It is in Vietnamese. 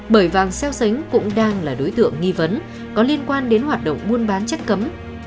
bởi vàng xeo xánh cũng đang là đối tượng nghi vấn có liên quan đến hoạt động buôn bán chất cấm